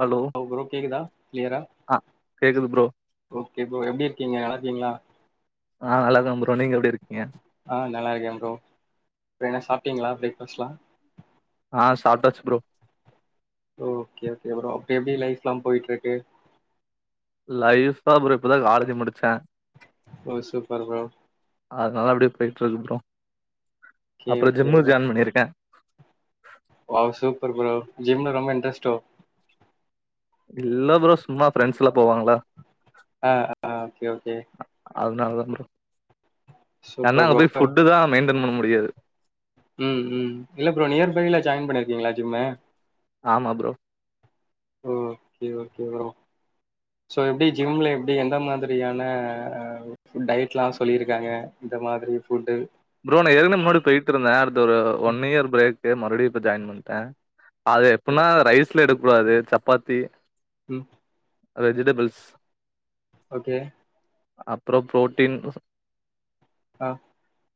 Hello bro கேக்குதா கிளியரா ஆ கேக்குது ப்ரோ ஓகே ப்ரோ எப்படி இருக்கீங்க நல்லா இருக்கீங்களா. ஆ நல்லா இருக்கே ப்ரோ நீங்க எப்படி இருக்கீங்க. அப்பற என்ன சாப்ட்டீங்களா பிரேக்ஃபாஸ்ட்லா. ஆ சாப்டாச்சு ப்ரோ. ஓகே ஓகே ப்ரோ அப்ப எப்படி லைஃப்லா போயிட்டு இருக்கு. லைஃப்பா ப்ரோ இப்பதா காலேஜி முடிச்ச. ஓ சுப்பர் ப்ரோ. அதனால அப்படியே போயிட்டு இருக்கு ப்ரோ. ஓகே அப்புறோ ஓகே ஜிம்மு ப்ரோ ஜாயின் பண்ணிருக்கே. ஸ். வாவ் சூப்பர் ப்ரோ ஜிம்ல ரொம்ப இன்ட்ரெஸ்ட்டோ. இல்ல ப்ரோ சும்மா ஃப்ரெண்ட்ஸ் எல்லா போவாங்கள்ள. ஆ ஆ ஓகே ஓகே அ அதனாலதா ப்ரோ. என்ன சூப்பர் அங்க ப்ரோ போய் ஃபுட்டு தா மெயின்டன் பண்ண முடி. முடியாது. உம் உம் இல்ல ப்ரோ நியர் பையில ஜாயின் பண்ணிருக்கீங்களா ஜிம்மு. ஆமா bro. Okay okay bro so எப்டி ஜிம்ல எப்டி எந்த மாதிரியான டயட்லா சொல்லியிருக்காங்க இந்த மாதிரி ஃபுட்டு. ப்ரோ நா ஏற்கன முன்னாடி போயிட்டு இருந்தே அடுத்த ஒரு ஒன் இயர் பிரேக்கு மறுபடியு. ஜாயின் பண்ணிட்டேன் அது எப்டினா ரைஸ்ல எடுக்க கூடாது சப்பாத்தி. உம் வெஜிடபிள்ஸ் ஓகே அப்புறோ புரோட்டீன் ஆஹ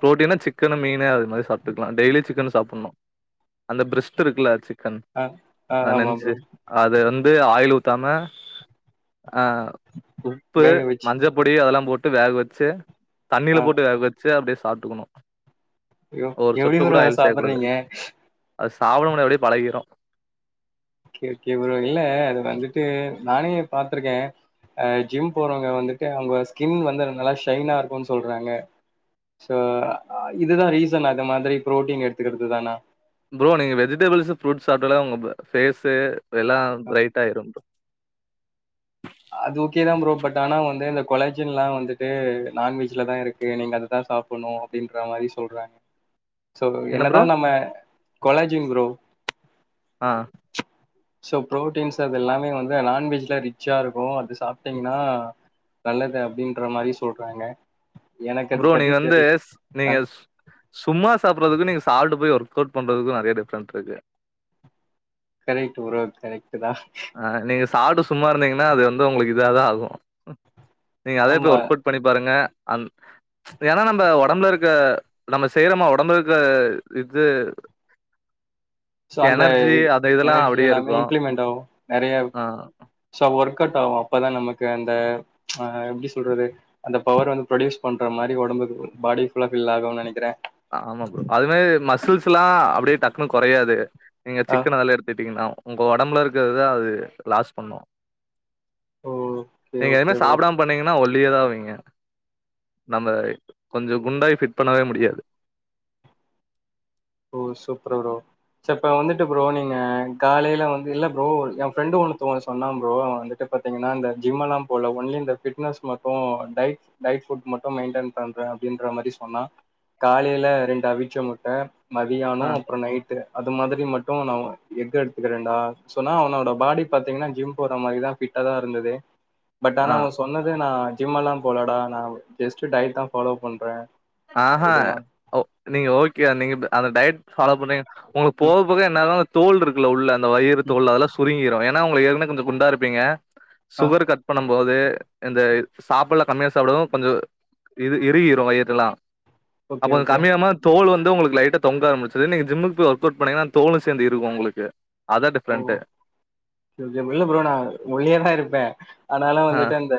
புரோட்டனா சிக்கனு மீன் அது மாரி சப்புட்டுக்கலா டெய்லி சிக்கன்ன சப்புடணு அந்த பிரிஸ்ட் இருக்கில்லா கன் ஆ ஆ அது ஆமா ப்ரோ நெஞ்சு அது வந் ஆயில் ஊத்தாம ஆஹ உப்பு வேக வச்சு மஞ்ச பொடி அதெல்லா போட் வேக வச்சி தண்ணியில போட்டு வேக வச்சு அப்டியே ஆட்டுக்கணு அயோ எப்டி புரோ அத சாப்புட்றீங்க அது சப்புடமுடியா அப்டியே பழகிரு ஓகேஓகே புரோ இல்ல அது வந்துட்டு நானே பாத்ருக்கே அ ஜிம் போறவங்க வந்துட்டு அவங்க ஸ்கின் வந்து நல்லா ஷைனா இருக்குன் சொல்றாங்க சோ இதுதா ரீசனா இந்த மாதிரி ப்ரோட்டீன் எடுத்துக்குறது தானா ப்ரோ நீங்க வெஜிடபிள்ஸ்ஸு ஃப்ரூட் சாப்டாலே உங்க ப ஃபேஸ்ஸு எல்லா ரைட்டாயிரு அது ஓகேதா ப்ரோ பட் ஆனா வந்து இந்த கொலாஜின்லா வந்துட்டு நான்வெஜ்லதா இருக்கு நீங்க அததா சாப்புட்ணு அப்டின்ற மாரி சொல்றாங்க சோ என்ன ப்ரோ என்னதா நம்ம கொலாஜிங் ப்ரோ ஆஹ் சோ ப்ரோட்டீன்ஸ் அது எல்லாமே வந்து நான்வெஜ்ல ரி ச்சா இருக்கு அது சாப்டிங்னா நல்லது அப்டின்ற மாரி சொல்றாங்க எனக்கு அது ப்ரோ பத்தி நீங்க வந்து தெர்ல ஆ நீங்க சும்மா சாப்றதுக்கு நீங்க சால்டு போய் ஒர் கொட் பண்றதுக்கு நெறைய டிஃப்ரெண்ட் இருக்கு கரெக்ட்டு புரோ கரெக்ட்டு தா ஆ நீங்க சாப்டு சும்மா இருந்தீங்கன்னா அது வந்து உங்களுக்கு இதாதா ஆகு நீங்க அதே போய் ஆமா ஒர்க் அவுட் பண்ணி பாருங்க அந் ஏன்னா நம்ம ஒடம்புல இருக்க நம்ம செய்றோமா ஒடம்புல இருக்க இது சோ அந்த எனர்ஜி இது அது இதெல்லா எனர்ஜி அப்டியே எல்லாமே இருக்கு இம்ப்ளிமெண்ட் ஆகு நெறையவு ஆ சோ ஒர்க் அவுட் ஆகு அப்போ தா நமக்கு அந்த எப்டி சொல்றது அந்த பவர் வந்து ப்ரொடியூஸ் பண்ற மாரி ஒடம்புக்கு பாடி ஃபுல்லா ஃபில் ஆகுனு நெனக்கிறே ஆமா ப்ரோ அது மாரி மசில்ஸ்ல்லா அப்டியே டக்குனு கொறயாது நீங்க சிக்கன அதுல எடுத்துட்டீங்கனாவு உங்க ஒடம்புல இருக்குறதுதா அது லாஸ் பண்ணும் ஓகே நீங்க எதுவுமே ஓகே ப்ரோ சாப்பிடாம பண்ணிங்கன்னா ஒ க்ளியர் அவீங்க நம்ம கொஞ்சோ குண்டாய் ஃபிட் பண்ணவே முடியாது ஓ சூப்பர் ப்ரோ ச இப்ப வந்துட்டு ப்ரோ நீங்க காலையில வந்து இல்ல ப்ரோ என் ஃப்ரெண்டு ஒனு தொ ஒண்ணு சொன்னான் ப்ரோ வந்துட்டு பாத்தீங்கன்னா இந்த ஜிம் எல்லாம் போல ஒன்லி இந்த ஃபிட்னஸ் மட்டும் டயட் டயட்ஃபுட் மட்டு மெயின்டெயன் பண்றேன் அப்படின்ற மாதிரி சொன்னா காலையில ரெண்டு அவிச்ச முட்ட ஆ மதியானம் அப்புறம் நைட்டு அது மாதிரி மட்டும் நா எஃகு எடுத்துக்கிறேன்டா சோ நா அவனோட பாடி பாத்தீங்கன்னா ஜிம் போற மாதிரிதா ஃபிட்டா தா இருந்தது பட் ஆ ஆனா அவ சொன்னது நா ஜிம் எல்லா போலடா நா ஜஸ்ட் டயட் தா ஃபாலோ பண்றே ஆ இதுமா அ நீங்க ஓக்கே வா நீங்க டயட் ஆ ஃபாலோ பண்ணீங்க உங்களுக்கு ம் போக போக எண்ணாகு தோல் இருக்குல உள்ள அந்த வயிறு ம் தோள் அதெல்லா சுருங்கிரும் ஏனா நா உங்களுக் ஏற்கனவே கொஞ்சோ குண்டா இருப்பீங்க ஆ சுகர் கட் பண்ண போது இந்த சாப்பிடலா கம்மியா சாப்பிடும் கொஞ்சோ இறுகிடும் வயிறு எல்லா ஓகே அப்ப ஓகே கம்மியமா தோல் வந் உங்களுக்கு லைட்ட தொங்க ஆரம்பிச்சது நீங்க ஜிமுக்கு போய் ஒர்க அவுட் பண்ணீங்கனா தோளு சேர்ந்து இறுகு உங்களுக்கு அதா ஓ டிஃப்ரெண்ட்டு [unintelligible] இல்ல ப்ரோ நா ஒல்லியா தா இருப்பே அந் னாலு ஆ வந்துட்டு அந்த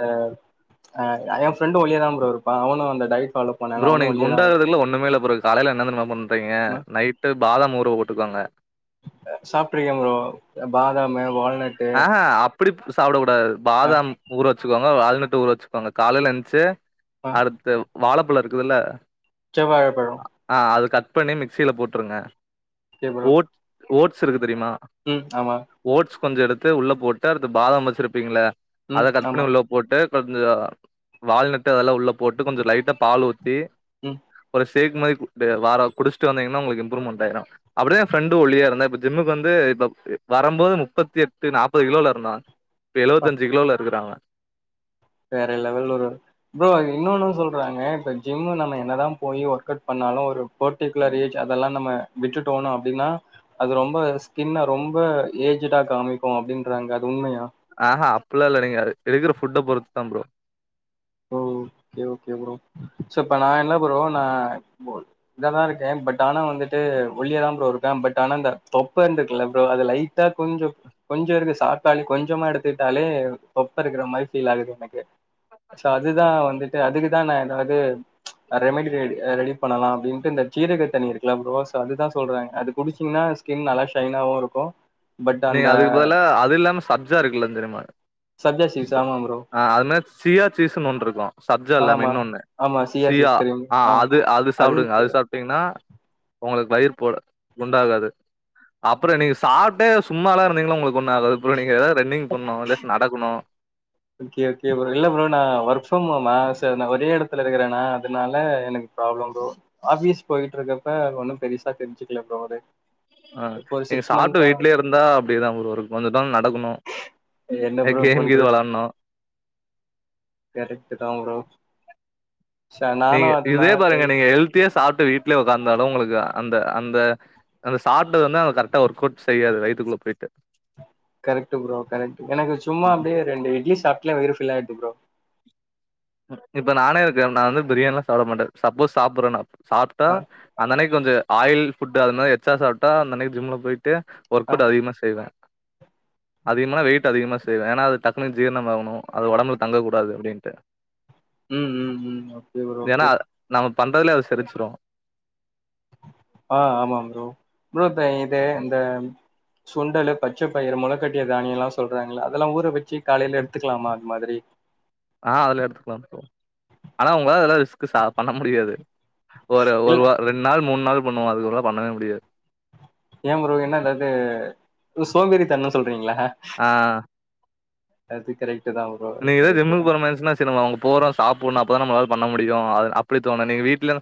ஆ எ ஃப்ரெண்ட் டு ஒல்லியா தா ப்ரோ இருப்பா அவனு அந்த டைட் ப்ரோ நீங் குண்டாகுறதுல்ல ஒண்ணுமேல்ல ப்ரோ காலைல என்ன தெரிமா பண்றீங்க இருப்பா நைட்டு பாதாம் ஊற வோட்டுக்கோங்க ஆ சாப்ட்ருக்கேப்ரோ பாதாமு வால் ஆ அப் புடிப் சாப்ட ப ஆ பாதம் ஊற வச்சுக்கோ மொத வால்நட்டு ஊற வச்சுக்கோங்க காலைல என்ச்சு ஆ அடுத்து வாழப் பழ இருக்குதுல்ல செவ்வாழப்பழோ ஆ அதுக்கட் பண்ணி மிக்சில போட்ருங்க ஓகே ப்ரோ ஓட் ஓட்ஸ் இருகு தெரியிமா ம் ஆமா ஓட்ஸ் [unintelligible] து உள்ள போட்டு அடுத்து பாதம் வெச்சிருப்பீங்கில்லே ம் அத கட் ஆமா பண்ணி உள்ளே போட்டு கொஞ்சோ வால்நட்டு அதெல்லா உள்ளே போட்டு கொஞ்சோ லைட்டா பால் ஊத்தி உம் சேக் மாரி குட்டு வார குடிச்சிட்டு வந்தீங்கன உங்களுக்கு இம்ருமென்ட் ஆயிரு அப்டே பிரண்டு ஒல்லியா இருந்தா இப்போ ஜிமுக்கு இப்போ வரம்போது முப்பத்தி எட் த்து நாப்பது கிலோல இருந்தா ப்ப ப்பா எழுவத்தஞ்சு கிலோல இருக்குற அவ வேற லெவல் ஒரு ப்ரோ இன்னொன்னு சொல்றாங்க இப்ப ஜிம்மு நம்ம என்னதா போயி ஒர்க அவுட் பண்ணாலு ஒரு பெர்டிகுலர் ஏஜ் அதெல்லா நம்ம விட்டுட்டோன அப்டின்னா அது ரொம்ப ஸ்கின்ன ரொம்ப ஏஜ்டா காமிக்கு அப்டின்றாங்க அது உண்மையா ஆஹஹ அப்புல்லா லெடிங்காது எடுக்கற ஃபுட்ட பொறுத்தா ப்ரோ ஓ ஓகே ஓகே ப்ரோ சோ இப்ப நா என்ன ப்ரோ நா இதாதா இருக்கே பட் ஆனா வந்துட்டு ஒல்லியதா ப்ரோ இருக்கே பட் ஆனா இந்த தொப்பை இருந்துக்குல்ல ப்ரோ அது லைட்டா கொஞ்சோ கொஞ்சோ இருக்கு சாக்காளி கொஞ்சமா எடுத்துக்ட்டாலே தொப்பை இருக்கிற மாரி ஃபீல் ஆகுது எனக்கு சாட் வந்துட்டு அதுக்குதா நா ஏதாவது ரெமடி ரெடி ரெடி பண்ணலா அப்டின்னுட்டு இந்த சீரக தண்ணி இருக்குல ப்ரோஸ் அதுதா சொல்றாங்க அது குடிச்சீங்ன்னா ஸ்கின் நல்லா ஷைனாவு இருக்கு நீங்க அதுக்கு பதிலா அது இல்லாம சப்ஜா இருக்குல்ல தெரியுமால் சப்ஜா ச சீட்ஸ் ஆமா ப்ரோ ஆ அது மாரி சீயா சீஸ் இன்னொனுருக்கு சப்ஜா இல்லாம ஆமா இன்னொனு ஆமா சியா சீட்ஸ் தெரியும் ஆ அது அது சாப்பிடுங்க அது அதுவும் சாப்டீங்கனா உங்களுக்கு வயிர் போட குண்டாகாது அப்புறோ நீங்க சாப்டே சு சும்மால்ல இருந்தீங்கன உங்களுக் ஒன்னா அதாவது ஃபுல்லா நீங்க எதாவது ரன்னிங் பண்ணு இல்லாட்டி நடக்குணு ஓகே ஓகே ப்ரோ இல்ல ப்ரோ நா ஒர்க் ஃப்ரம் ஹோமா சார் நா ஒரே இடத்துல இருக்குறனா அதுனால எனக்கு ப்ராப்ளம் ப்ரோ ஆபீஸ் போயிட்டு இருக்கப்ப ஒண்ணு பெருசா தெரிஞ்சுக்கல ப்ரோ அது ஆஹ் இப்போ ஒரு நீங்க சிக்ஸ் சாப்பிட்டு மந்த்தா வீட்லய இருந்தா அப்டிதா ப்ரோ இருக்கோ கொஞ்ச தொல நடக்கணு நோ என்ன அ ப்ரோ கேம் கீது வெளாணு கரெக்ட்டு தா ப்ரோ நீங்க நானும் அது இதே நான் ட்ரை பாருங்க நீங்க ஹெல்த்தியா சாப்.. ட்டு வீட்ல உக்காந்தாலும் உங்களுக்கு அந்த அந்த அந்த சாப்டது வந்து கரெக்டா ஒர்க் அவுட் செய்யாது வய்த்துக்குள்ள போயிட்டு கரெக்ட்டு ப்ரோ கரெக்ட்டு எனக்கு சும்மா அப்டியே ரெண்டு இட்லி சாப்.. இல்ல வயிறு ஃபுல் ஆயிடுது ப்ரோ... இப்ப நானே இருக்கே நா வந்து பிரியாணி எல்லாம் சாப்ட மாட்ட சப்போஸ் சாப்புறன்னா சாப்ட்டா அ அன்னனைக்கு வந்து ஆயில் ஃபுட் அது மாறி எக்ஸ்ட்ரா சாப்ட அன்னனைக்கு ஜிம் ல போய் ட்டு ஒர்க் அ அவுட் அதிகமா செய்வ... அதிகமான வெயிட் அதிகமா செய்வ ஏன்னா அது டக்குனு ஜீர்ணம் ஆவணும் அது உடம்புல தங்கக்க கூடாது அப்டின்ட்டு ம் ம் ம் ஓகே ப்ரோ ஏன்னா ஓகே அது நம்ம பண்றதுலயே அது செரிச்சிரும் ஆ ஆமா ப்ரோ ப்ரோ இப்ப இது இந்த சுண்டலு பச்ச பயிறு முளக்கட்டிய தானியல்லா சொல்றாங்கள அதெல்லா ஊற வச்சு காலைல எடுத்துக்கலாமா அது மாதிரி ஆ அதுலா எடுத்துக்கலா ப்ரோ ஆனா உங்களால ரிஸ்க் சா பண்ண முடியாது ஒரு ஒரு இல்ல வார ரெண்டு நாள் மூண் நாள் பண்ணுவோ அதுக்கப்ரோல பண்ணவே முடியாது ஏன் ப்ரோ என்ன எதாது சோம்பேரி தனோ சொல் றீங்களா அது கரெக்ட் தா ப்ரோ நீங்கதா கரெக்ட் தா ஜிம்முக்கு போற மாரிச்சுன்ன சேரி நம்ம அவங்க போறோ சாப்பன்னு அப்போதா நம்மளால பண்ண முடியும் அ இப்டி தோணு நீங்க வீட்ல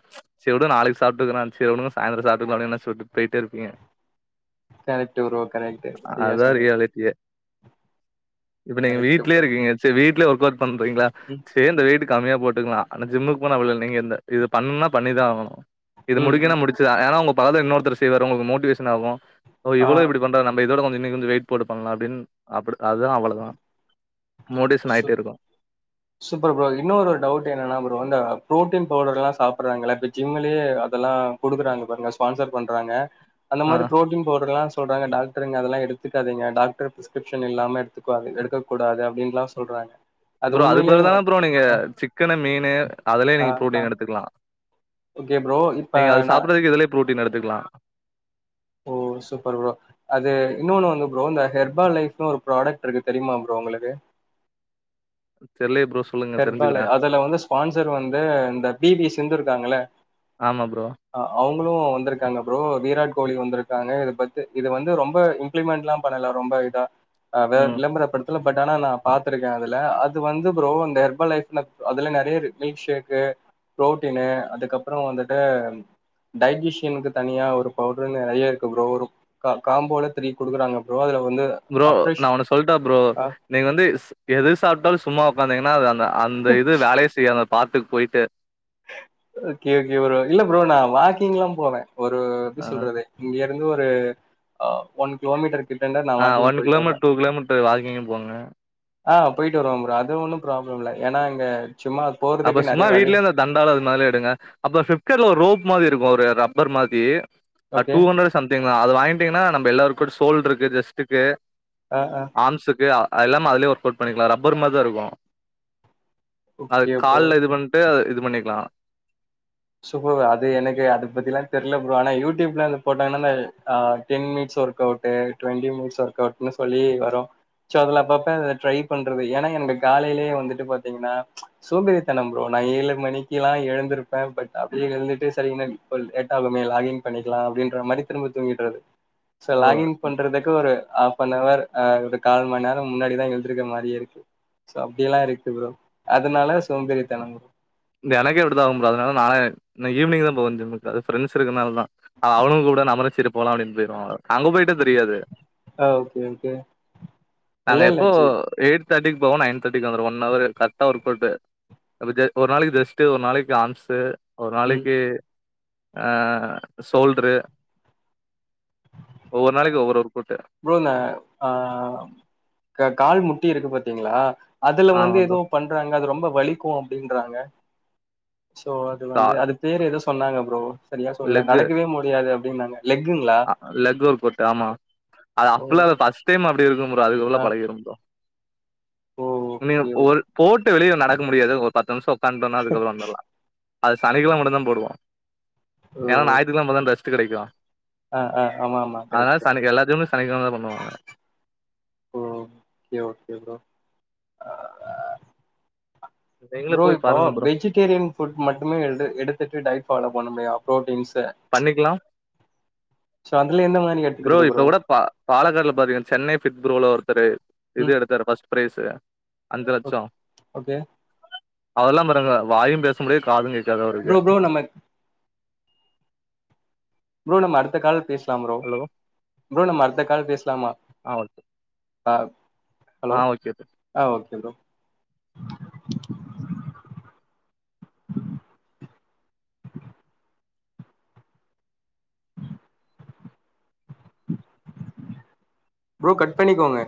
சேரி வுடுங்க நாளைக்கு சாப்டுக்கர சேரி வுடுங்ங சாயந்ரோ சாப்டுக்கலா அப்டினு நெனச்சு விட்டு போயிட்டே இருப்பீங்க கரெக்ட் ப்ரோ கரெக்ட் செரியா அதான் சொன்னீங்க ரியாலிட்டி. கரெக்ட ப்ரோ சேரி வீட்ல ஒர்க் அவுட் பண்றீங்களா ம் சேரி இந்த வீட்டுக் கம்மியா போட்டுக்கலா ஆனா ஜிம்முக்கு போன அப்டில்ல நீங்க இந்த இது பண்ணுன பண்ணிதா ஆகனு இது ம் முடிங்கனா ம் முடிச்சுதா ஏனா உங் பாத இன்னொருத்தர் செய்வாரு உங்களுக்கு மோட்டிவேஷன் ஆகு ஓ ஆ இவளு இப்டி பண்றா நம் இதோட கொஞ்சோ இன்னு கொஞ்சோ வெயிட் போட்டுப்பன்ளா அப்டின்னு அப்டி அதா அவளோதா சூப்பர் ப்ரோ இன்னொரு டவுட் என்னன்னா ப்ரோ இந்த பு்ரோட்டீன் பவுடர் எல்லாம் சாப்பிடடுறாங்கள இப்போ ஜிம்லயே அதெல்லாம்டுக்குறாங்க பாருங்க ஸ்பான்சர் பண்றாங்க அந்த ஆ மாதிரி ப்ரோட்டின் ப்வுடர்லாம் சொல்றாங்க டாக்டர் அதெல்லாம் எடுத்துக்காதீங்க டாக்டர் ப்ரஸ்கிப்ஷன் இல்லாம எடுக்க எடுக்கூடாது அப்டினு சொல்றாங்க ப்ரோ அது பிறகுதானே ப்ரோ நீங்க ஆ சிக்கனு மீனு அதுலயே ஆ நீங்க ஆ ப்ரோட்டீன் எடுத்துக்கலாம் ஓகே ப்ரோ இப்ப நீங்க அது நா சாப்படுறதுக்கு இதுலய ப்ரோட்டீன் எடு த்துக்கலாம் ஓ சூப்பர் ப்ரோ அது இன்னொண்ணு வந்து ப்ரோ இந்த ஹெர்பா லைஃப்னு ஒரு ப்ராடக்ட் இருக்கு தெரியுமா ப்ரோ உங்குளுக்கு தெர்லியே ப்ரோ சொல்லுங்க ஹெர்பா தெரிஞ்சுக்கிறே அதுல வந்து ஸ்பான்சர் வந்து இந்த பி வி சிந்து இருக்காங்கள ஆமா ப்ரோ அவுங்களோ வந்திருக்காங்க ப்ரோ வீராட் தோழி வந்திருக்காங்க இத பத்தி இது வந்து ரொம்ப இம்ப்ளிமெண்ட்லா பண்ல ரொம்ப இதா அ வே ம் விளம்பரப்படத்துல பட் ஆனா நா பாத்ருக்க அதுல அது வந்து ப்ரோ ஹெர்பா லைஃப்ல அதுல நறையா மில்க் க்ஷேக்கு ப்ரோட்டினு அதுக்கப்புறோ வந்துட்டு டைசிஷியனுக்கு தனியா ஒரு பவுடர்னு நறையா இருக்கு ப்ரோ ஒரு காம்போல த்ரீ குடுக்குறாங்க ப்ரோ அதுல வந்து ப்ரோ அப்ரெஷ் நா ஒன்னு சொல்ட்டா ப்ரோ அ நீங்க வந்து எது சாப்ட்டாலோ சும்மா ஒக்காந்தீங்க ஒக்காந்தாதா அந்த இது வேலையே செய்யா பாத்துக்கு போயிட்டு ஓகே ஓகே ப்ரோ இல்ல ப்ரோ நா வாக்கிங்லா போவே ஒரு எப்டி ஆ சொல்றது இங்க இது ஒரு அ கிலோமீட்டர் கிட்டண்ட நான் அ வாக்கிங் ஒன் போயிட்டு வருவேன். கிலோமீட்டர் டூ கிலோமீட்டர் வாக்கிங் போங்க அ போயிட்டு வருவோ ப்ரோ அது ஒன்னோ ப்ராப்ளம் இல்ல ஏன்னா இங்க சும்மா அப்ப போறதுக்கு நெறைய சும்மா வழி வீட்லயேத தண்டால் அதுமா எடுங்க அப்பல பிப்கார்ட்ல ஒரு ரோப் மாரி இருக்கு ஒரு ரப்பர் மாதி அ ஓகே. டூஹண்ட்ர் சம்திங் தா அது வாங்கிடிங்னா நம்ம எல்லாரு குட் சோல்ருக்கு ஜஸ்டுக்கு ஆ ஆ ஆம்சுக்கு அ அதுல்லாம அதுலயே ஒர்க் அவுட் பண்ணிக்லா ரப்பர் மாதிதாருக்கு ஓகே ப்ரோ கால்ல இது ஓகே. பண்ட்டு இது பண்ணிக்லா சுபு அது எனக்கு அத பத்திலா தெரில ப்ரோ ஆனா யூடியூப்ல அத்ல போட்டாங்னா நா ஆஹ் ten minutes work out twenty minutes work அவுட்ன்னு சொல்லி வரு சோ அதுல அப்பப்ப ட்ரை பண்றது ஏனா என்ட காலையிலயே வந்துட்டு பாத்திங்கனா சோம்பேரிதனம் ப்ரோ நா ஏழு மணிக்குலா எழுந்திருப்பே பட் அப்டியே எழுந்துட்டு சரிங்கனன் பல் லேட்டாலுமே லாகின் பண்ணிக்கலா அப்டின்ற மாரி திரும்ப தூங்கிட்றது சோ லாகின் பண்றதுக்கு ஒரு ஆப் பண்ணவர் அ ஒரு கால் மந்நேரோ முன்னாடிதா எழுதுருக்க மாரியேருக்கு சோ அப்டியெல்லா இருக்கு ப்ரோ அதுனால சோம்பறித்தனம் எனக்கே இப்பிடிதா ஆகு புரோ அதுனால நானே இன்னைக் ஈவினிங் தா போவே ஜிம்முக்கு அது ஃப்ரெண்ஸ் இருக்குனாலதா அ அவனுங்கூப்ட நம்மலு சேரி போலா அப்டின் பொய்ருவ அங்க போயிட்டா தெரியாது அ ஓகே ஓகே இல்ல இல்ல ஜீ தேட்டிக் போவோ நைன் தேட்டிக்கு வந்துருவோ ஒன்னவரு கரெக்ட்டா ஒர்க்கவ்ட்டு அபத்தியா ஒரு நாளைக்கு ரெஸ்ட்டு ஒரு நாளைக்கு ஆம்ஸ்சு ஒரு ம் நாளைக்கு ஆஆ சோல்டுரு ஒவ்வொர் நாளிக் ஒவ்வொர் வரூ போங்க ஆ க கால் முட் ட்டி இருக்கு பாத்தீங்ளா அதுல ஆமா வந்து ப்ரோ எதோ பண்றாங்க அது ரொம்ப வலிக் க்கூ அப்டின்றாங்க சோ அது வந்து கால் அது பேரு எதோ சொன்னாங்க ப்ரோ சரியா சொல்லே நடக்கவே முடியாது அப்டின்னாங்க லெக்குங்களா ஆ லெக்கு ஒர் பொட்டு ஆமா அது ஓ அப்டில்லால்ல ஃபஸ்ட் டைம் அப் ப்பி இருக்கூ ப்ரோ அதுக்குள்ள ஆ பழகிரூ ப்ரோ ஓ நீ ஓகே ஓ ஓல் போட்டு வெளியே நடக்க முடியாது ஒர் பத்து நிமிஷோ ஒக்கான்ட்டுனா அதுக்கப்றோ வந்துர்லா அது சனிக்கெழமெ மட்டுந்தா போடுவா ஓ ஏனா ஞாத்திகிழம தா ரெஸ் ட் கெடைக்தா ஆ ஆ ஆமா ஆமா கரெக்ட் அத்னால ப்ரோ சனிக் எல்லாத்தியுமே சனிக்கழமதா பண்ணுவாங்க ஓ கே ஓகே நீங்களு ப்ரோ போய் இப்போ பாருங்க ப்ரோ வெஜிடேரியன் ஃபுட் மட்டுமே எடு எடுத்துட்டு டயட் ஃபாலோ [unintelligible] புரோட்டீன்ஸ் த பண்ணிக்கலா சோ அதுல எந்த மாரி எடுத் ப்ரோ இப்ப கூட பா பாலக்காடு பாருங்க சென்னை [unintelligible] ப்ரோ உள்ள ஒர்த்தரு ம் எது எடுத்தரு ஃபர்ஸ்ட் பிரைஸ்சு ஓக் ஓகே அதெல்லா பாருங்க வாயும் பேச முடியாது காது கேட் ப்ரோ ப்ரோ நம்ம ப்ரோ நம்ம அடுத்த கால் பேச லாம் ப்ரோ ஹலோ ப்ரோ நம்ம அடுத்த கா கால் பேசலாமா ஆ ஓகே ஆப் ஹலோ ஆ ஓகே ஆ ஓகே ப்ரோ ப்ரோ கட் பண்ணிக்கோங்க